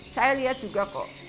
saya lihat juga kok